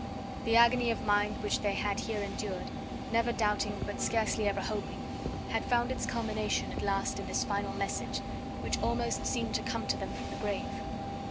The agony of mind which they had here endured, never doubting, but scarcely ever hoping, had found its culmination at last in this final message, which almost seemed to come to them from the grave.